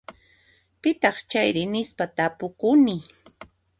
Pitaq chayri? Nispa tapukuni.